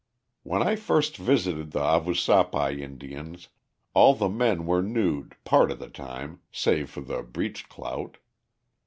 When I first visited the Havasupai Indians, all the men were nude, part of the time, save for the breech clout.